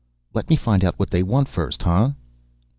"Let me find out what they want first, huh?"